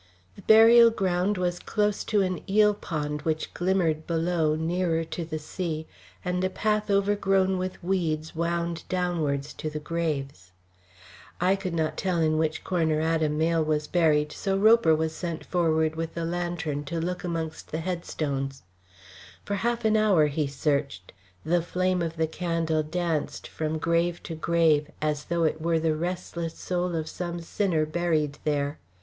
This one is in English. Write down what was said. The burial ground was close to an eel pond, which glimmered below, nearer to the sea, and a path overgrown with weeds wound downwards to the graves. I could not tell in which corner Adam Mayle was buried, so Roper was sent forward with the lantern to look amongst the headstones. For half an hour he searched; the flame of the candle danced from grave to grave as though it were the restless soul of some sinner buried there.